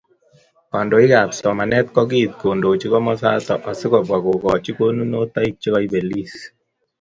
Kandoikab somanet kokiit kondochi komosata asikobwa kokoch konunotoik chekoibelis